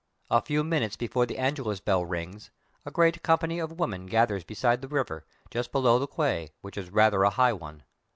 A few minutes before the Angelus bell rings, a great company of women gathers beside the river, just below the quay, which is rather a high one.